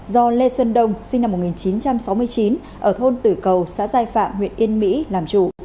do lê xuân đông sinh năm một nghìn chín trăm sáu mươi chín ở thôn tử cầu xã giai phạm huyện yên mỹ làm chủ